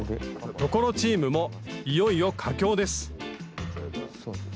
所チームもいよいよ佳境です